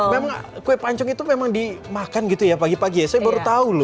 memang kue pancong itu memang dimakan gitu ya pagi pagi ya saya baru tahu loh